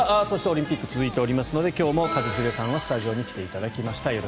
そしてオリンピック続いておりますので今日も一茂さんはスタジオに来ていただきました。